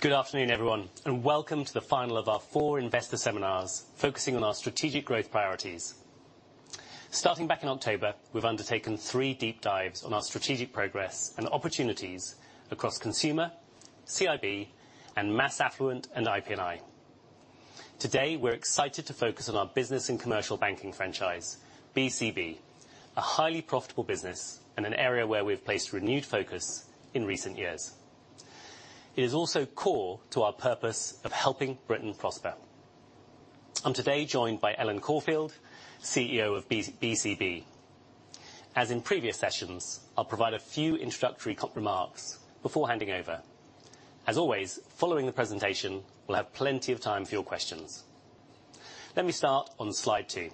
Good afternoon, everyone, and welcome to the final of our four investor seminars focusing on our strategic growth priorities. Starting back in October, we've undertaken three deep dives on our strategic progress and opportunities across Consumer, CIB, and Mass Affluent and IP&I. Today, we're excited to focus on our Business and Commercial Banking franchise, BCB, a highly profitable business and an area where we've placed renewed focus in recent years. It is also core to our purpose of helping Britain prosper. I'm today joined by Elyn Corfield, CEO of BCB. As in previous sessions, I'll provide a few introductory remarks before handing over. As always, following the presentation, we'll have plenty of time for your questions. Let me start on slide two.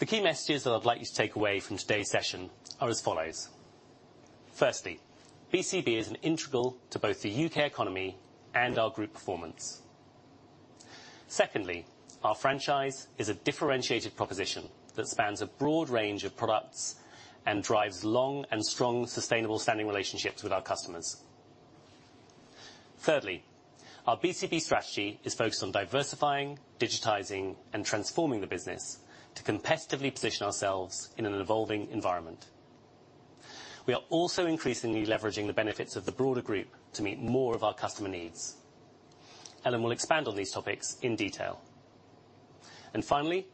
The key messages that I'd like you to take away from today's session are as follows. Firstly, BCB is an integral to both the U.K. economy and our group performance. Secondly, our franchise is a differentiated proposition that spans a broad range of products and drives long and strong sustainable standing relationships with our customers. Thirdly, our BCB strategy is focused on diversifying, digitizing, and transforming the business to competitively position ourselves in an evolving environment. We are also increasingly leveraging the benefits of the broader group to meet more of our customer needs. Elyn will expand on these topics in detail. And finally,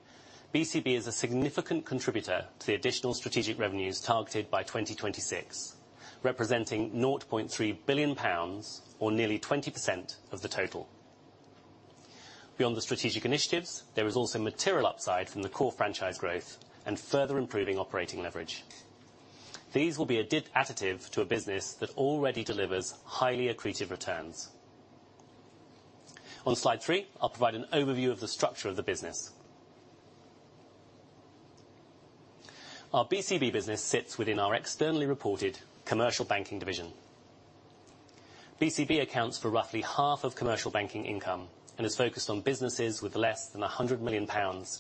BCB is a significant contributor to the additional strategic revenues targeted by 2026, representing 0.3 billion pounds, or nearly 20% of the total. Beyond the strategic initiatives, there is also material upside from the core franchise growth and further improving operating leverage. These will be additive to a business that already delivers highly accretive returns. On slide three, I'll provide an overview of the structure of the business. Our BCB business sits within our externally reported Commercial Banking division. BCB accounts for roughly half of Commercial Banking income and is focused on businesses with less than ￡100 million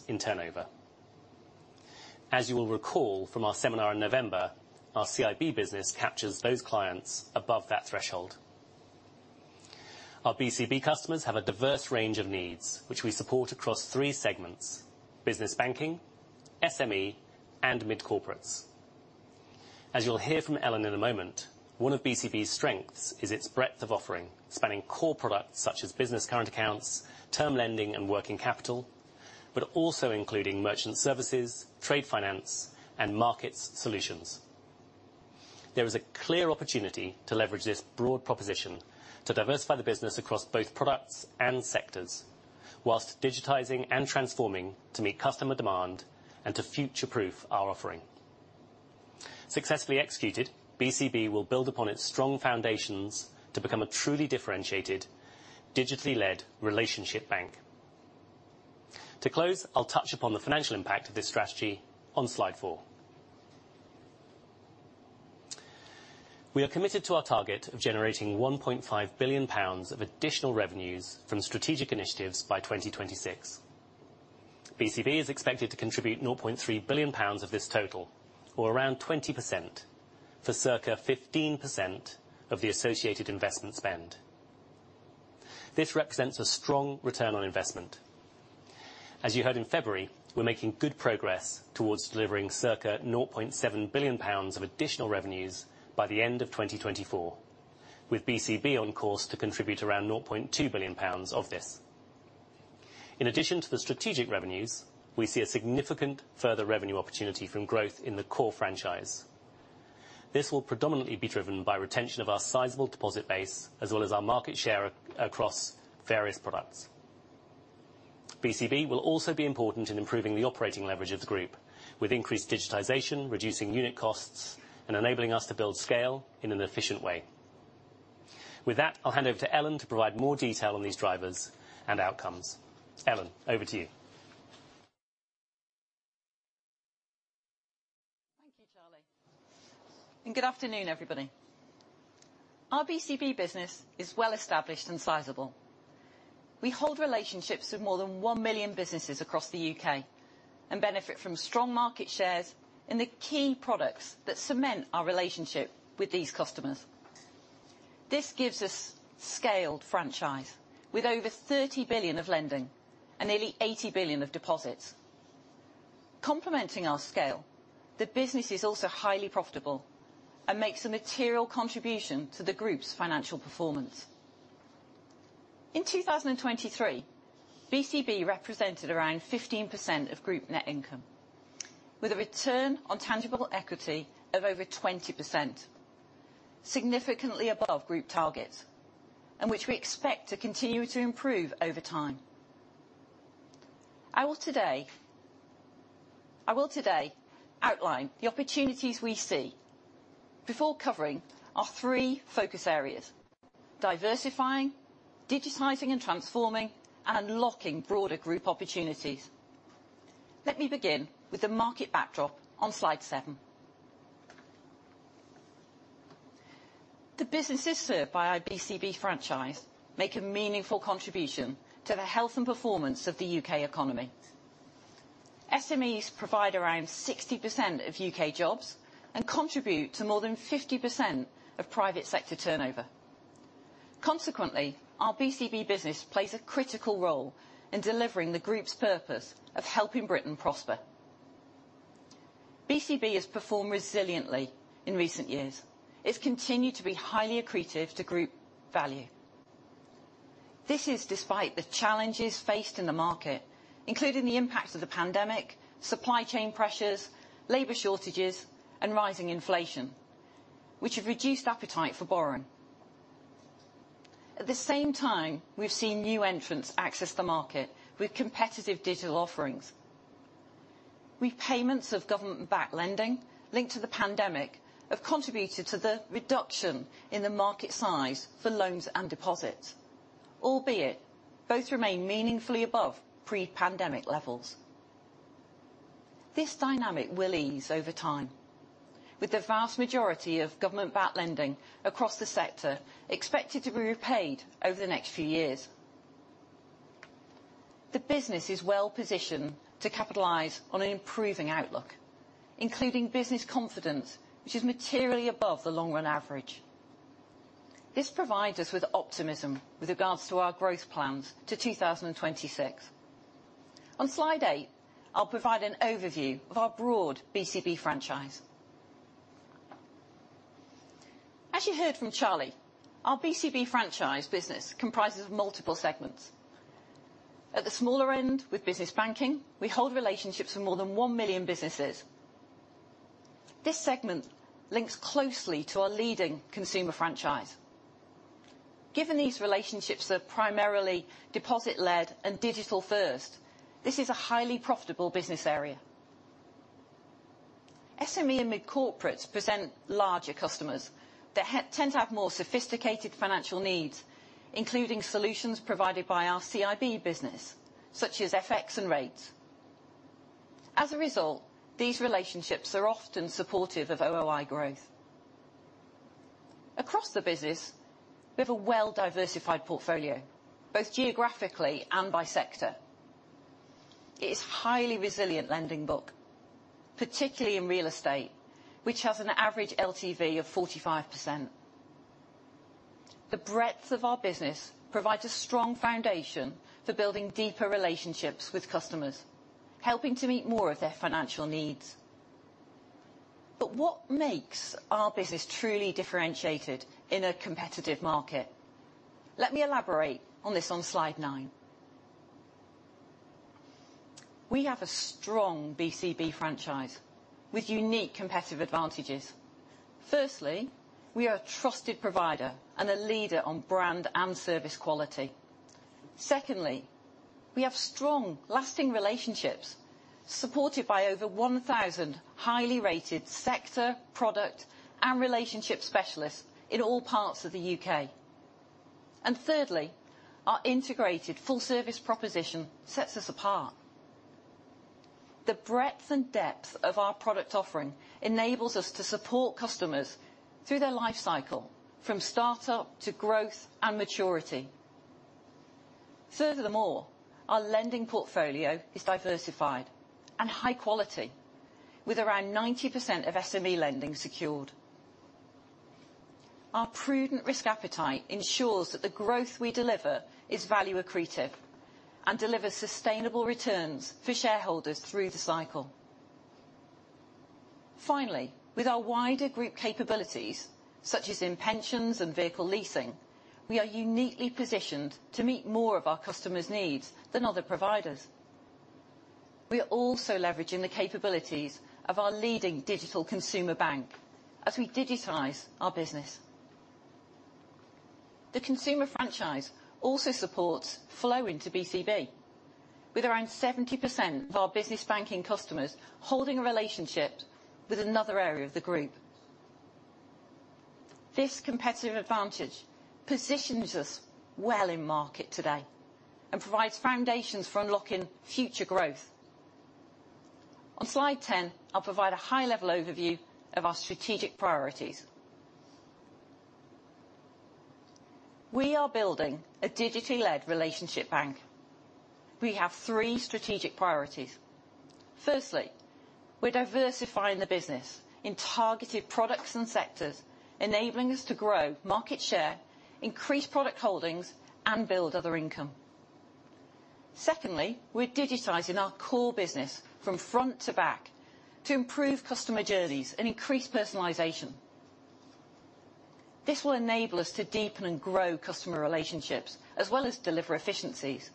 in turnover. As you will recall from our seminar in November, our CIB business captures those clients above that threshold. Our BCB customers have a diverse range of needs, which we support across three segments: Business Banking, SME, and Mid-Corporates. As you'll hear from Elyn in a moment, one of BCB's strengths is its breadth of offering, spanning core products such as business current accounts, term lending, and working capital, but also including merchant services, trade finance, and markets solutions. There is a clear opportunity to leverage this broad proposition to diversify the business across both products and sectors, while digitizing and transforming to meet customer demand and to future-proof our offering. Successfully executed, BCB will build upon its strong foundations to become a truly differentiated, digitally-led relationship bank. To close, I'll touch upon the financial impact of this strategy on slide 4. We are committed to our target of generating 1.5 billion pounds of additional revenues from strategic initiatives by 2026. BCB is expected to contribute 0.3 billion pounds of this total, or around 20%, for circa 15% of the associated investment spend. This represents a strong return on investment. As you heard in February, we're making good progress towards delivering circa 0.7 billion pounds of additional revenues by the end of 2024, with BCB on course to contribute around 0.2 billion pounds of this. In addition to the strategic revenues, we see a significant further revenue opportunity from growth in the core franchise. This will predominantly be driven by retention of our sizable deposit base as well as our market share across various products. BCB will also be important in improving the operating leverage of the group, with increased digitization, reducing unit costs, and enabling us to build scale in an efficient way. With that, I'll hand over to Elyn to provide more detail on these drivers and outcomes. Elyn, over to you. Thank you, Charlie. Good afternoon, everybody. Our BCB business is well-established and sizable. We hold relationships with more than 1 million businesses across the U.K. and benefit from strong market shares in the key products that cement our relationship with these customers. This gives us scaled franchise with over 30 billion of lending and nearly 80 billion of deposits. Complementing our scale, the business is also highly profitable and makes a material contribution to the group's financial performance. In 2023, BCB represented around 15% of group net income, with a return on tangible equity of over 20%, significantly above group targets, and which we expect to continue to improve over time. I will today outline the opportunities we see before covering our three focus areas: diversifying, digitizing and transforming, and unlocking broader group opportunities. Let me begin with the market backdrop on slide 7. The businesses served by our BCB franchise make a meaningful contribution to the health and performance of the U.K. economy. SMEs provide around 60% of U.K. jobs and contribute to more than 50% of private sector turnover. Consequently, our BCB business plays a critical role in delivering the group's purpose of helping Britain prosper. BCB has performed resiliently in recent years. It's continued to be highly accretive to group value. This is despite the challenges faced in the market, including the impact of the pandemic, supply chain pressures, labor shortages, and rising inflation, which have reduced appetite for borrowing. At the same time, we've seen new entrants access the market with competitive digital offerings. Repayments of government-backed lending linked to the pandemic have contributed to the reduction in the market size for loans and deposits, albeit both remain meaningfully above pre-pandemic levels. This dynamic will ease over time, with the vast majority of government-backed lending across the sector expected to be repaid over the next few years. The business is well-positioned to capitalize on an improving outlook, including business confidence, which is materially above the long-run average. This provides us with optimism with regards to our growth plans to 2026. On slide 8, I'll provide an overview of our broad BCB franchise. As you heard from Charlie, our BCB franchise business comprises multiple segments. At the smaller end, with Business Banking, we hold relationships with more than 1 million businesses. This segment links closely to our leading consumer franchise. Given these relationships are primarily deposit-led and digital-first, this is a highly profitable business area. SME and Mid-Corporates present larger customers that tend to have more sophisticated financial needs, including solutions provided by our CIB business, such as FX and rates. As a result, these relationships are often supportive of OOI growth. Across the business, we have a well-diversified portfolio, both geographically and by sector. It is a highly resilient lending book, particularly in real estate, which has an average LTV of 45%. The breadth of our business provides a strong foundation for building deeper relationships with customers, helping to meet more of their financial needs. But what makes our business truly differentiated in a competitive market? Let me elaborate on this on slide nine. We have a strong BCB franchise with unique competitive advantages. Firstly, we are a trusted provider and a leader on brand and service quality. Secondly, we have strong, lasting relationships supported by over 1,000 highly rated sector, product, and relationship specialists in all parts of the U.K. And thirdly, our integrated full-service proposition sets us apart. The breadth and depth of our product offering enables us to support customers through their life cycle, from startup to growth and maturity. Furthermore, our lending portfolio is diversified and high-quality, with around 90% of SME lending secured. Our prudent risk appetite ensures that the growth we deliver is value-accretive and delivers sustainable returns for shareholders through the cycle. Finally, with our wider group capabilities, such as in pensions and vehicle leasing, we are uniquely positioned to meet more of our customers' needs than other providers. We are also leveraging the capabilities of our leading digital consumer bank as we digitize our business. The consumer franchise also supports flow into BCB, with around 70% of our Business Banking customers holding a relationship with another area of the group. This competitive advantage positions us well in market today and provides foundations for unlocking future growth. On slide ten, I'll provide a high-level overview of our strategic priorities. We are building a digitally-led relationship bank. We have three strategic priorities. Firstly, we're diversifying the business in targeted products and sectors, enabling us to grow market share, increase product holdings, and build other income. Secondly, we're digitizing our core business from front to back to improve customer journeys and increase personalization. This will enable us to deepen and grow customer relationships as well as deliver efficiencies.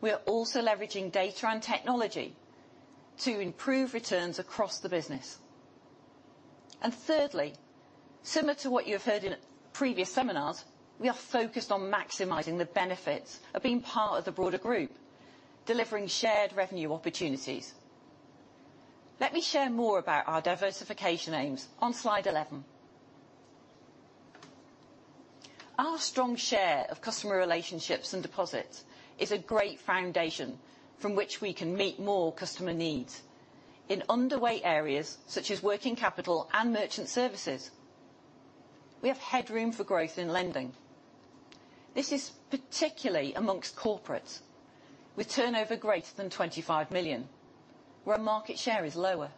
We are also leveraging data and technology to improve returns across the business. And thirdly, similar to what you've heard in previous seminars, we are focused on maximizing the benefits of being part of the broader group, delivering shared revenue opportunities. Let me share more about our diversification aims on slide 11. Our strong share of customer relationships and deposits is a great foundation from which we can meet more customer needs in underway areas such as working capital and merchant services. We have headroom for growth in lending. This is particularly amongst corporates with turnover greater than 25 million, where market share is lower.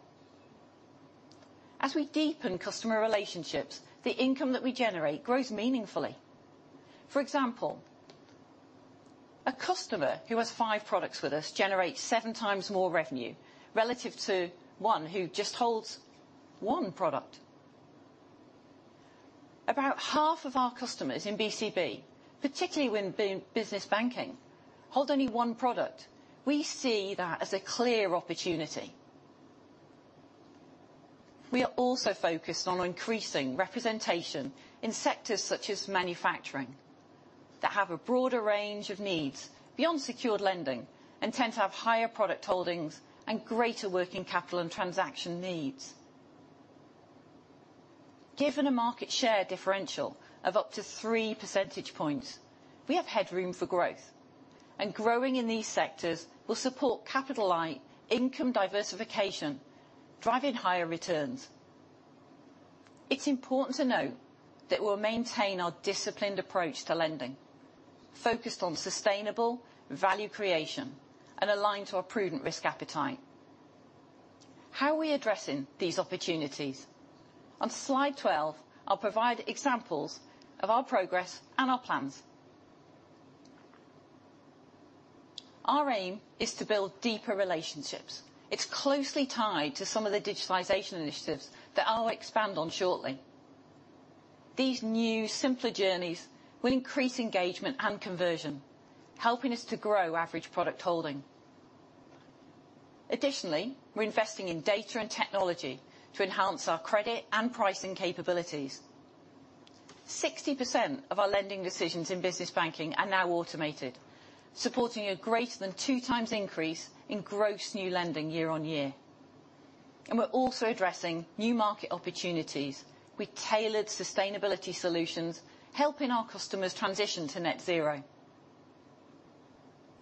As we deepen customer relationships, the income that we generate grows meaningfully. For example, a customer who has five products with us generates seven times more revenue relative to one who just holds one product. About half of our customers in BCB, particularly when Business Banking, hold only one product. We see that as a clear opportunity. We are also focused on increasing representation in sectors such as manufacturing that have a broader range of needs beyond secured lending and tend to have higher product holdings and greater working capital and transaction needs. Given a market share differential of up to three percentage points, we have headroom for growth, and growing in these sectors will support capital-light income diversification, driving higher returns. It's important to note that we'll maintain our disciplined approach to lending, focused on sustainable value creation and aligned to our prudent risk appetite. How are we addressing these opportunities? On slide 12, I'll provide examples of our progress and our plans. Our aim is to build deeper relationships. It's closely tied to some of the digitalization initiatives that I'll expand on shortly. These new, simpler journeys will increase engagement and conversion, helping us to grow average product holding. Additionally, we're investing in data and technology to enhance our credit and pricing capabilities. 60% of our lending decisions in Business Banking are now automated, supporting a greater than 2x increase in gross new lending year-on-year. We're also addressing new market opportunities with tailored sustainability solutions, helping our customers transition to net zero.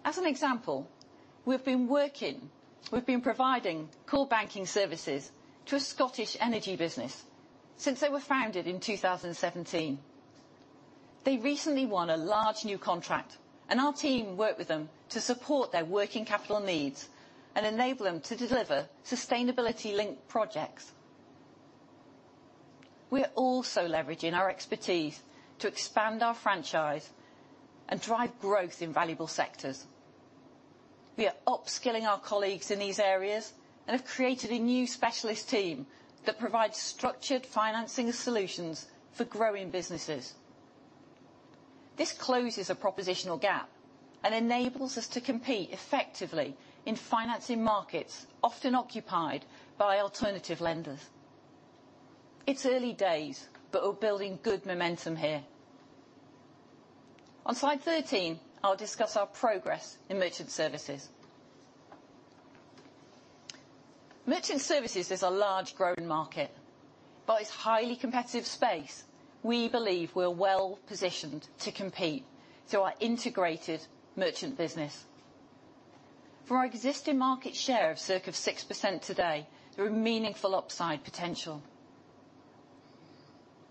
As an example, we've been providing core banking services to a Scottish energy business since they were founded in 2017. They recently won a large new contract, and our team worked with them to support their working capital needs and enable them to deliver sustainability-linked projects. We are also leveraging our expertise to expand our franchise and drive growth in valuable sectors. We are upskilling our colleagues in these areas and have created a new specialist team that provides structured financing solutions for growing businesses. This closes a propositional gap and enables us to compete effectively in financing markets often occupied by alternative lenders. It's early days, but we're building good momentum here. On slide 13, I'll discuss our progress in merchant services. Merchant services is a large growing market, but it's a highly competitive space. We believe we're well-positioned to compete through our integrated merchant business. For our existing market share of circa 6% today, there are meaningful upside potential.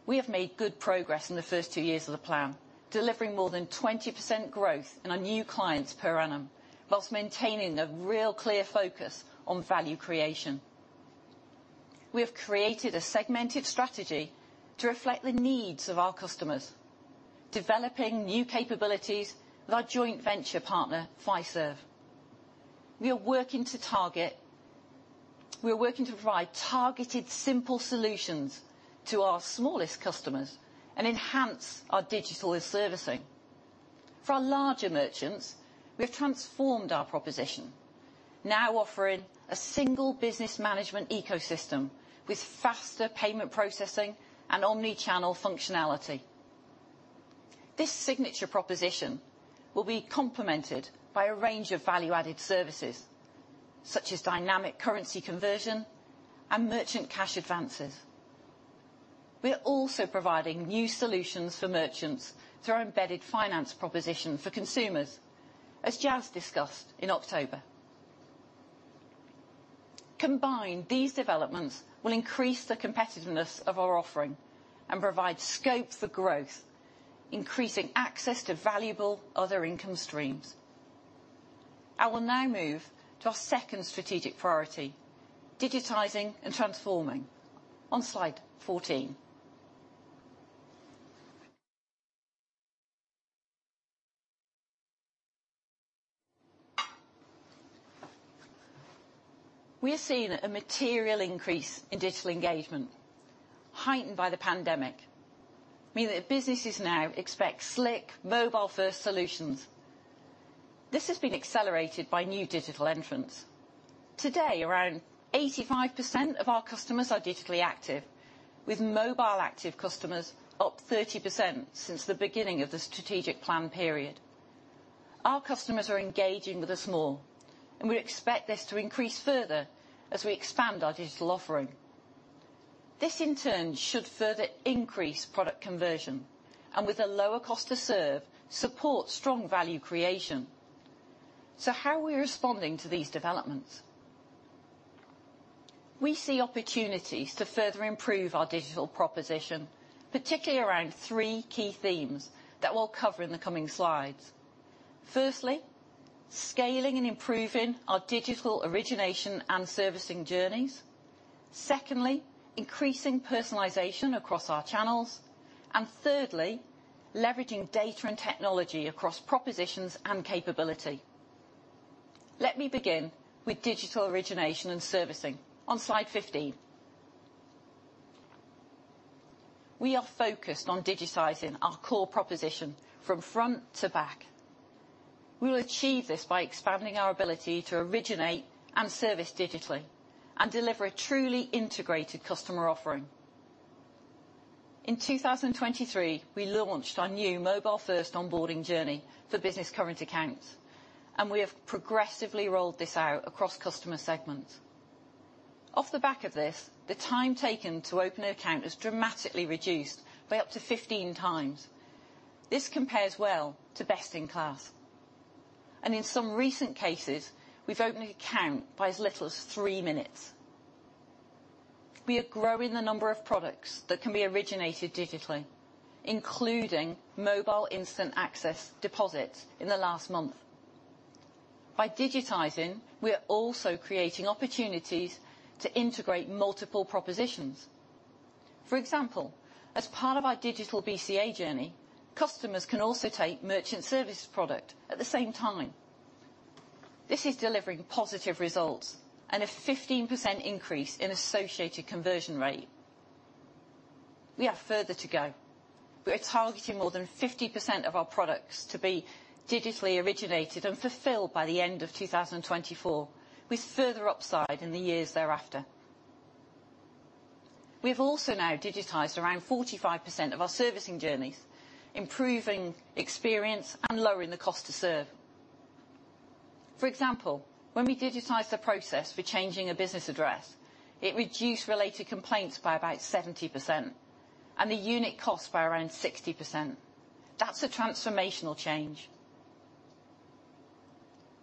We have made good progress in the first two years of the plan, delivering more than 20% growth in our new clients per annum, while maintaining a real clear focus on value creation. We have created a segmented strategy to reflect the needs of our customers, developing new capabilities with our joint venture partner, Fiserv. We are working to provide targeted, simple solutions to our smallest customers and enhance our digital servicing. For our larger merchants, we have transformed our proposition, now offering a single business management ecosystem with faster payment processing and omnichannel functionality. This signature proposition will be complemented by a range of value-added services, such as dynamic currency conversion and merchant cash advances. We are also providing new solutions for merchants through our embedded finance proposition for consumers, as Jas discussed in October. Combined, these developments will increase the competitiveness of our offering and provide scope for growth, increasing access to valuable other income streams. I will now move to our second strategic priority: digitizing and transforming. On slide 14, we have seen a material increase in digital engagement, heightened by the pandemic, meaning that businesses now expect slick, mobile-first solutions. This has been accelerated by new digital entrants. Today, around 85% of our customers are digitally active, with mobile-active customers up 30% since the beginning of the strategic plan period. Our customers are engaging with us more, and we expect this to increase further as we expand our digital offering. This, in turn, should further increase product conversion and, with a lower cost to serve, support strong value creation. So how are we responding to these developments? We see opportunities to further improve our digital proposition, particularly around three key themes that we'll cover in the coming slides. Firstly, scaling and improving our digital origination and servicing journeys. Secondly, increasing personalization across our channels. And thirdly, leveraging data and technology across propositions and capability. Let me begin with digital origination and servicing. On slide 15, we are focused on digitizing our core proposition from front to back. We will achieve this by expanding our ability to originate and service digitally and deliver a truly integrated customer offering. In 2023, we launched our new mobile-first onboarding journey for business current accounts, and we have progressively rolled this out across customer segments. Off the back of this, the time taken to open an account has dramatically reduced by up to 15 times. This compares well to best in class. In some recent cases, we've opened an account by as little as three minutes. We are growing the number of products that can be originated digitally, including mobile instant access deposits in the last month. By digitizing, we are also creating opportunities to integrate multiple propositions. For example, as part of our digital BCB journey, customers can also take merchant services product at the same time. This is delivering positive results and a 15% increase in associated conversion rate. We have further to go. We are targeting more than 50% of our products to be digitally originated and fulfilled by the end of 2024, with further upside in the years thereafter. We have also now digitized around 45% of our servicing journeys, improving experience and lowering the cost to serve. For example, when we digitized the process for changing a business address, it reduced related complaints by about 70% and the unit cost by around 60%. That's a transformational change.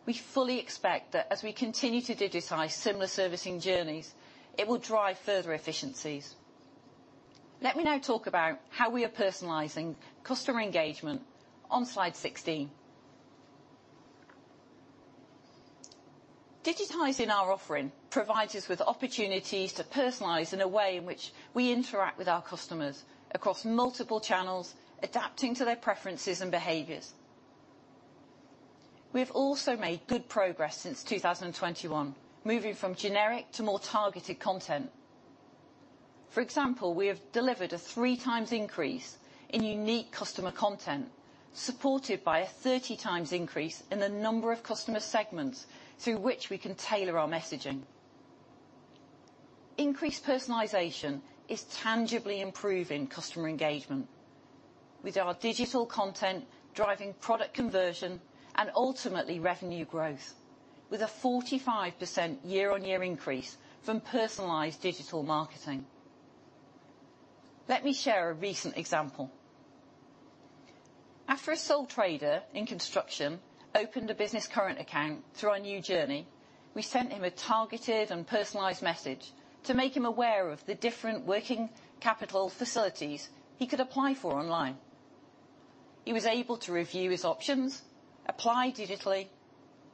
We fully expect that as we continue to digitize similar servicing journeys, it will drive further efficiencies. Let me now talk about how we are personalizing customer engagement on slide 16. Digitizing our offering provides us with opportunities to personalize in a way in which we interact with our customers across multiple channels, adapting to their preferences and behaviors. We have also made good progress since 2021, moving from generic to more targeted content. For example, we have delivered a 3-times increase in unique customer content, supported by a 30-times increase in the number of customer segments through which we can tailor our messaging. Increased personalization is tangibly improving customer engagement, with our digital content driving product conversion and ultimately revenue growth, with a 45% year-on-year increase from personalized digital marketing. Let me share a recent example. After a sole trader in construction opened a business current account through our new journey, we sent him a targeted and personalized message to make him aware of the different working capital facilities he could apply for online. He was able to review his options, apply digitally,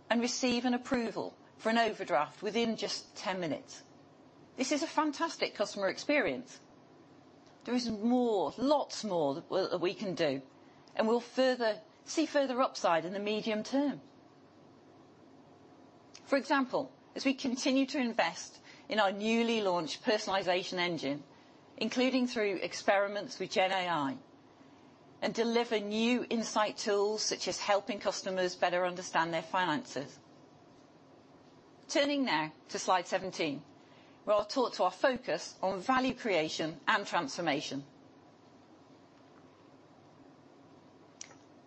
and receive an approval for an overdraft within just 10 minutes. This is a fantastic customer experience. There is more, lots more that we can do, and we'll see further upside in the medium term. For example, as we continue to invest in our newly launched personalization engine, including through experiments with GenAI, and deliver new insight tools such as helping customers better understand their finances. Turning now to slide 17, we'll talk about our focus on value creation and transformation.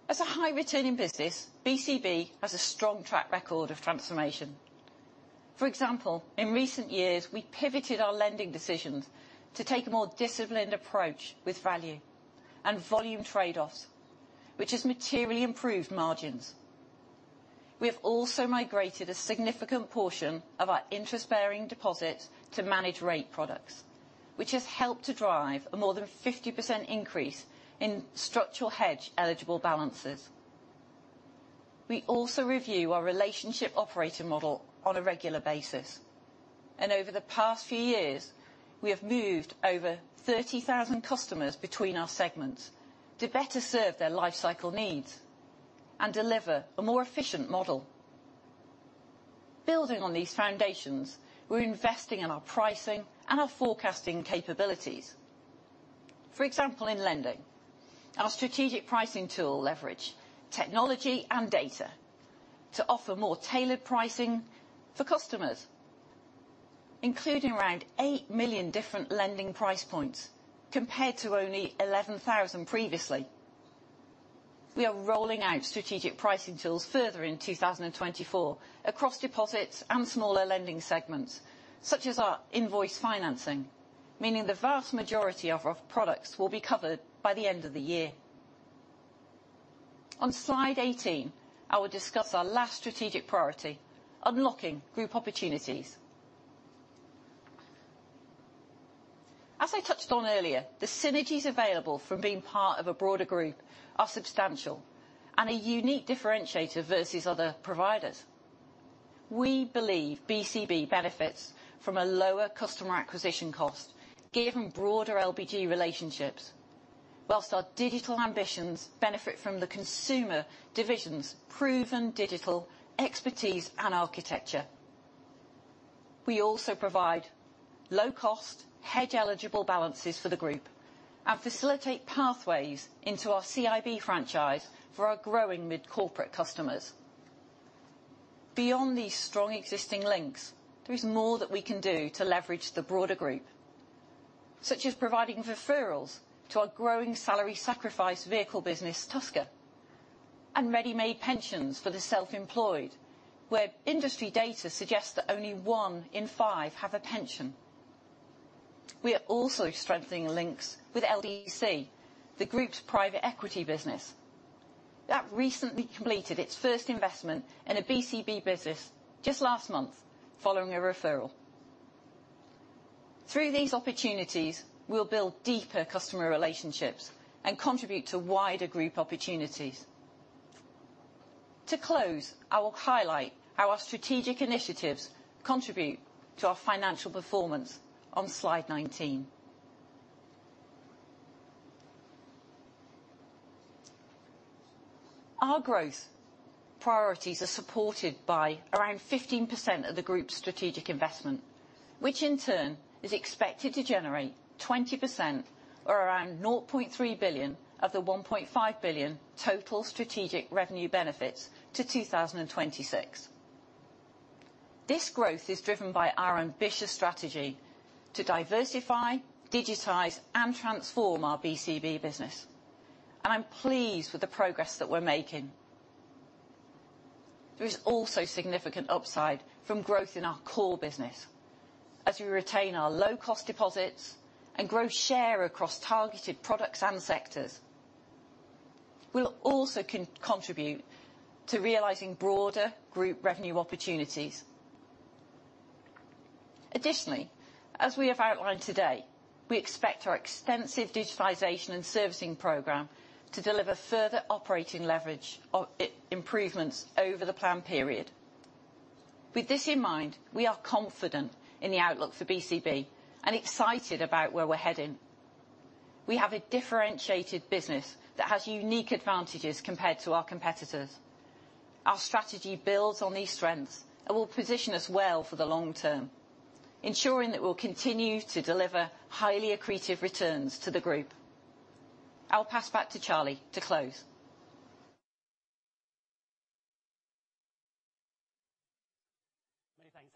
As a high-returning business, BCB has a strong track record of transformation. For example, in recent years, we pivoted our lending decisions to take a more disciplined approach with value and volume trade-offs, which has materially improved margins. We have also migrated a significant portion of our interest-bearing deposits to managed rate products, which has helped to drive a more than 50% increase in structural hedge eligible balances. We also review our relationship manager model on a regular basis. Over the past few years, we have moved over 30,000 customers between our segments to better serve their lifecycle needs and deliver a more efficient model. Building on these foundations, we're investing in our pricing and our forecasting capabilities. For example, in lending, our strategic pricing tool leverages technology and data to offer more tailored pricing for customers, including around 8 million different lending price points compared to only 11,000 previously. We are rolling out strategic pricing tools further in 2024 across deposits and smaller lending segments, such as our invoice financing, meaning the vast majority of our products will be covered by the end of the year. On slide 18, I will discuss our last strategic priority: unlocking group opportunities. As I touched on earlier, the synergies available from being part of a broader group are substantial and a unique differentiator versus other providers. We believe BCB benefits from a lower customer acquisition cost given broader LBG relationships, while our digital ambitions benefit from the consumer division's proven digital expertise and architecture. We also provide low-cost hedge-eligible balances for the group and facilitate pathways into our CIB franchise for our growing mid-corporate customers. Beyond these strong existing links, there is more that we can do to leverage the broader group, such as providing referrals to our growing salary sacrifice vehicle business, Tusker, and ready-made pensions for the self-employed, where industry data suggests that only one in five have a pension. We are also strengthening links with LDC, the group's private equity business, that recently completed its first investment in a BCB business just last month following a referral. Through these opportunities, we'll build deeper customer relationships and contribute to wider group opportunities. To close, I will highlight how our strategic initiatives contribute to our financial performance on slide 19. Our growth priorities are supported by around 15% of the group's strategic investment, which in turn is expected to generate 20% or around 0.3 billion of the 1.5 billion total strategic revenue benefits to 2026. This growth is driven by our ambitious strategy to diversify, digitize, and transform our BCB business, and I'm pleased with the progress that we're making. There is also significant upside from growth in our core business as we retain our low-cost deposits and grow share across targeted products and sectors. We'll also contribute to realizing broader group revenue opportunities. Additionally, as we have outlined today, we expect our extensive digitalization and servicing program to deliver further operating leverage improvements over the planned period. With this in mind, we are confident in the outlook for BCB and excited about where we're heading. We have a differentiated business that has unique advantages compared to our competitors. Our strategy builds on these strengths and will position us well for the long term, ensuring that we'll continue to deliver highly accretive returns to the group. I'll pass back to Charlie to close.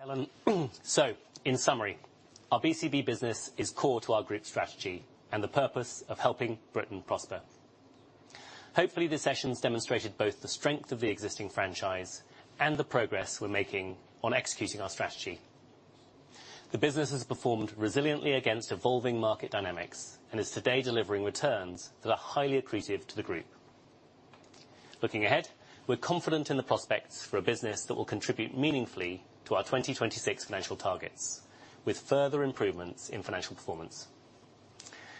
Many thanks, Elyn. In summary, our BCB business is core to our group strategy and the purpose of helping Britain prosper. Hopefully, this session has demonstrated both the strength of the existing franchise and the progress we're making on executing our strategy. The business has performed resiliently against evolving market dynamics and is today delivering returns that are highly accretive to the group. Looking ahead, we're confident in the prospects for a business that will contribute meaningfully to our 2026 financial targets with further improvements in financial performance.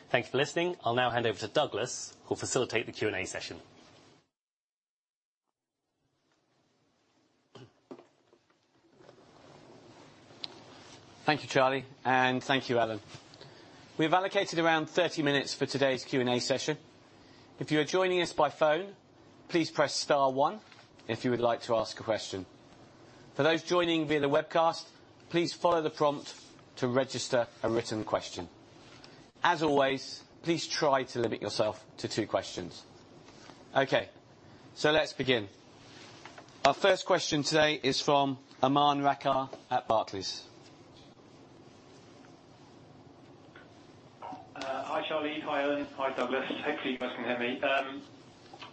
Thank you for listening. I'll now hand over to Douglas, who will facilitate the Q&A session. Thank you, Charlie, and thank you, Elyn. We have allocated around 30 minutes for today's Q&A session. If you are joining us by phone, please press *1 if you would like to ask a question. For those joining via the webcast, please follow the prompt to register a written question. As always, please try to limit yourself to two questions. Okay, so let's begin. Our first question today is from Aman Rakkar at Barclays. Hi, Charlie. Hi, Elyn. Hi, Douglas. Hopefully, you guys can hear me.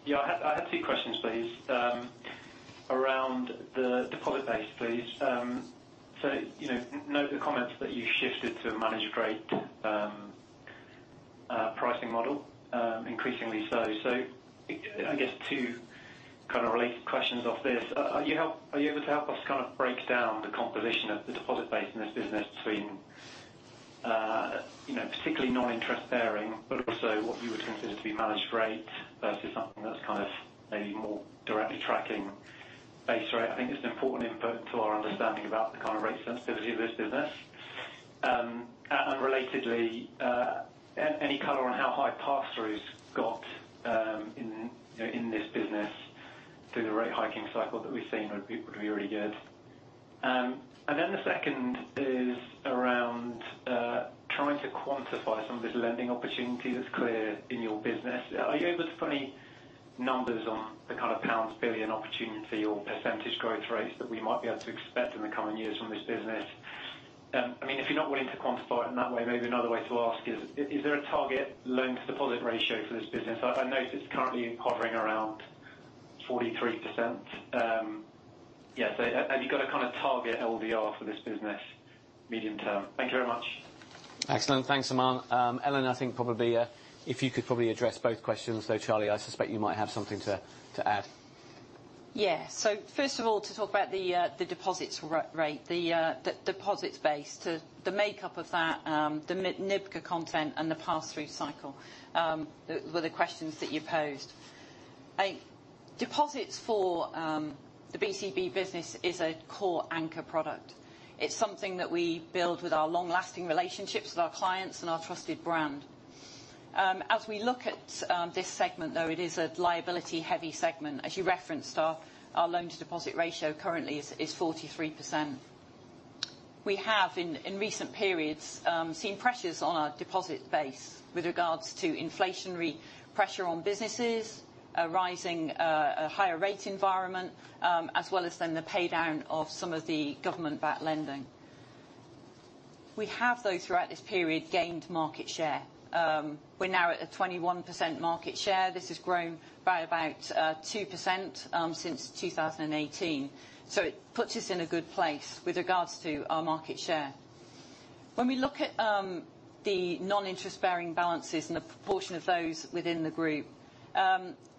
Yeah, I had two questions, please, around the deposit base, please. So note the comments that you shifted to a managed rate pricing model, increasingly so. So I guess two kind of related questions off this. Are you able to help us kind of break down the composition of the deposit base in this business between, particularly, non-interest-bearing, but also what you would consider to be managed rate versus something that's kind of maybe more directly tracking base rate? I think it's an important input into our understanding about the kind of rate sensitivity of this business. And relatedly, any color on how high pass-throughs got in this business through the rate hiking cycle that we've seen would be really good. And then the second is around trying to quantify some of this lending opportunity that's clear in your business. Are you able to put any numbers on the kind of pounds billion opportunity or percentage growth rates that we might be able to expect in the coming years from this business? I mean, if you're not willing to quantify it in that way, maybe another way to ask is, is there a target loan-to-deposit ratio for this business? I noticed it's currently hovering around 43%. Yeah, so have you got a kind of target LDR for this business medium term? Thank you very much. Excellent. Thanks, Aman. Elyn, I think probably if you could probably address both questions, though, Charlie, I suspect you might have something to add. Yeah. So first of all, to talk about the deposits rate, the deposits base, the makeup of that, the NIBCA content, and the pass-through cycle were the questions that you posed. Deposits for the BCB business is a core anchor product. It's something that we build with our long-lasting relationships with our clients and our trusted brand. As we look at this segment, though, it is a liability-heavy segment. As you referenced, our loan-to-deposit ratio currently is 43%. We have, in recent periods, seen pressures on our deposit base with regards to inflationary pressure on businesses, a rising higher rate environment, as well as then the paydown of some of the government-backed lending. We have, though, throughout this period, gained market share. We're now at a 21% market share. This has grown by about 2% since 2018. So it puts us in a good place with regards to our market share. When we look at the non-interest-bearing balances and the proportion of those within the group,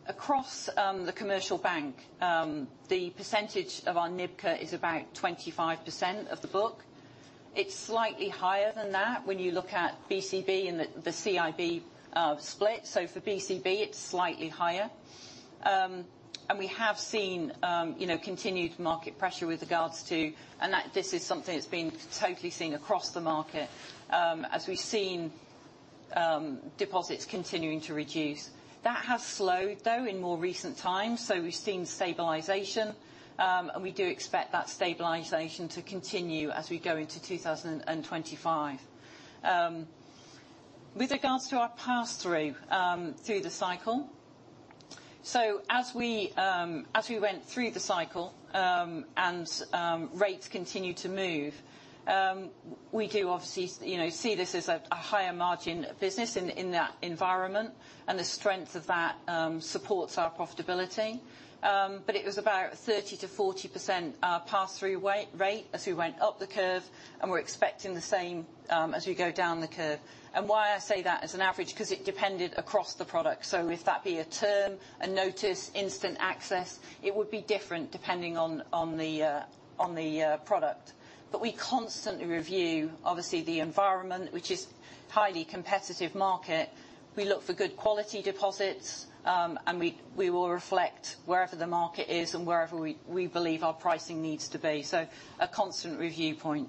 across the commercial bank, the percentage of our NIBCA is about 25% of the book. It's slightly higher than that when you look at BCB and the CIB split. So for BCB, it's slightly higher. And we have seen continued market pressure with regards to, and this is something that's been totally seen across the market as we've seen deposits continuing to reduce. That has slowed, though, in more recent times. So we've seen stabilization, and we do expect that stabilization to continue as we go into 2025. With regards to our pass-through through the cycle, so as we went through the cycle and rates continued to move, we do obviously see this as a higher margin business in that environment, and the strength of that supports our profitability. But it was about 30%-40% pass-through rate as we went up the curve, and we're expecting the same as we go down the curve. And why I say that as an average? Because it depended across the product. So if that be a term, a notice, instant access, it would be different depending on the product. But we constantly review, obviously, the environment, which is a highly competitive market. We look for good quality deposits, and we will reflect wherever the market is and wherever we believe our pricing needs to be. So a constant review point.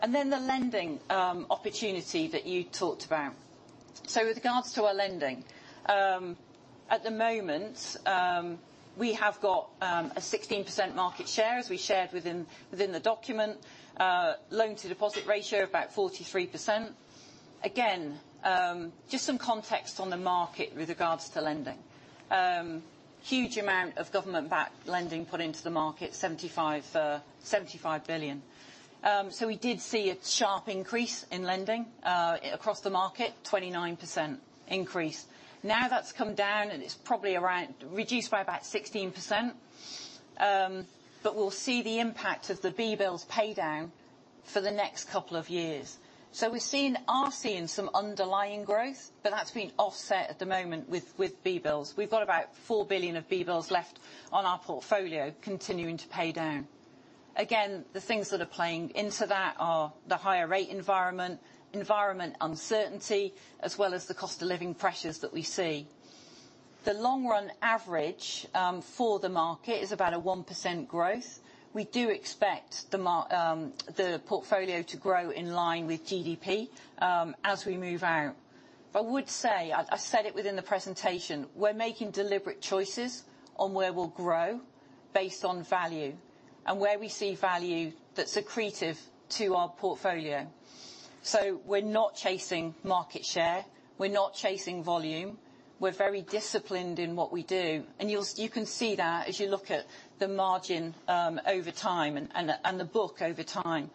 And then the lending opportunity that you talked about. So with regards to our lending, at the moment, we have got a 16% market share, as we shared within the document, loan-to-deposit ratio of about 43%. Again, just some context on the market with regards to lending. Huge amount of government-backed lending put into the market, 75 billion. So we did see a sharp increase in lending across the market, 29% increase. Now that's come down, and it's probably reduced by about 16%. But we'll see the impact of the BBLs paydown for the next couple of years. So we are seeing some underlying growth, but that's been offset at the moment with BBLs. We've got about 4 billion of BBLs left on our portfolio continuing to pay down. Again, the things that are playing into that are the higher rate environment, environment uncertainty, as well as the cost of living pressures that we see. The long-run average for the market is about a 1% growth. We do expect the portfolio to grow in line with GDP as we move out. I would say, I said it within the presentation, we're making deliberate choices on where we'll grow based on value and where we see value that's accretive to our portfolio. So we're not chasing market share. We're not chasing volume. We're very disciplined in what we do. And you can see that as you look at the margin over time and the book over time,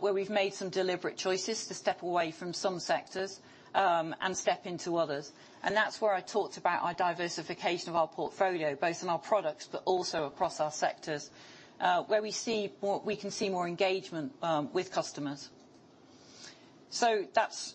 where we've made some deliberate choices to step away from some sectors and step into others. And that's where I talked about our diversification of our portfolio, both in our products but also across our sectors, where we can see more engagement with customers. So that's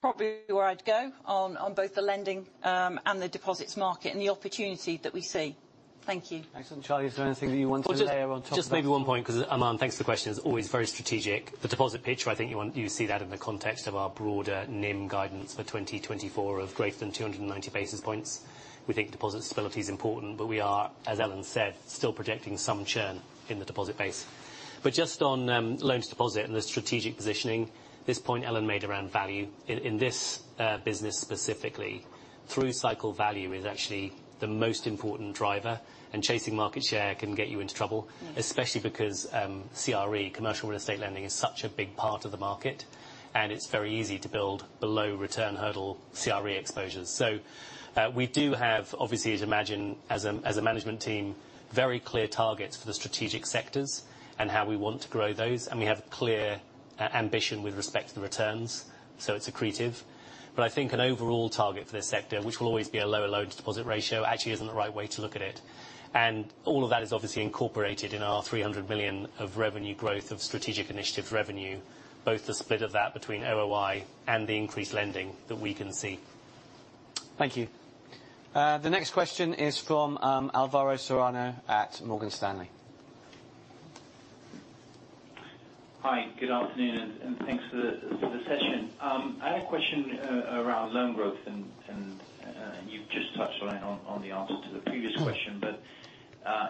probably where I'd go on both the lending and the deposits market and the opportunity that we see. Thank you. Excellent. Charlie, is there anything that you want to layer on top of that? Just maybe one point because Aman, thanks for the question. It's always very strategic. The deposit pitch, I think you see that in the context of our broader NIM guidance for 2024 of greater than 290 basis points. We think deposit stability is important, but we are, as Elyn said, still projecting some churn in the deposit base. But just on loan-to-deposit and the strategic positioning, this point Elyn made around value in this business specifically, through cycle value is actually the most important driver, and chasing market share can get you into trouble, especially because CRE, commercial real estate lending, is such a big part of the market, and it's very easy to build below return hurdle CRE exposures. So we do have, obviously, as you imagine, as a management team, very clear targets for the strategic sectors and how we want to grow those. And we have a clear ambition with respect to the returns, so it's accretive. But I think an overall target for this sector, which will always be a lower loan-to-deposit ratio, actually isn't the right way to look at it. All of that is obviously incorporated in our 300 million of revenue growth of strategic initiatives revenue, both the split of that between OOI and the increased lending that we can see. Thank you. The next question is from Alvaro Serrano at Morgan Stanley. Hi, good afternoon, and thanks for the session. I had a question around loan growth, and you've just touched on it in the answer to the previous question, but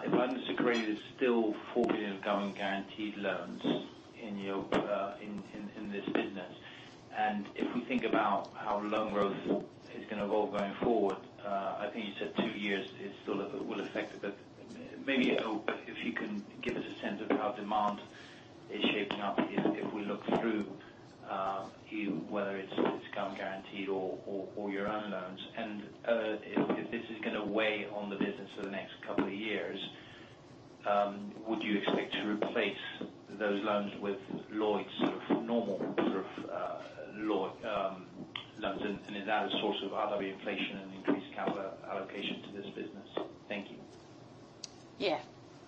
if I misheard, there's still 4 billion of government-guaranteed loans in this business. And if we think about how loan growth is going to evolve going forward, I think you said two years will affect it, but maybe if you can give us a sense of how demand is shaping up if we look through whether it's government-guaranteed or your own loans. If this is going to weigh on the business for the next couple of years, would you expect to replace those loans with Lloyds' normal sort of loans? And is that a source of RWA inflation and increased capital allocation to this business? Thank you. Yeah.